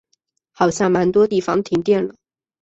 好像蛮多地方停电了